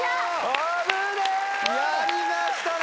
やりましたね！